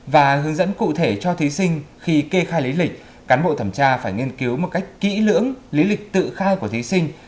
và hướng dẫn cụ thể cho thí sinh khi kê khai lý lịch cán bộ thẩm tra phải nghiên cứu một cách kỹ lưỡng lý lịch tự khai của thí sinh